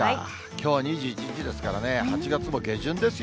きょう２１日ですからね、８月も下旬ですよ。